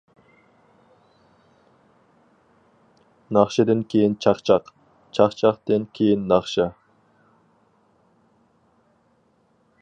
ناخشىدىن كېيىن چاقچاق، چاقچاقتىن كېيىن ناخشا.